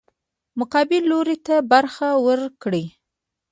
مقابل لوري ته برخه ورکړي.